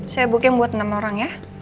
saya booking buat enam orang ya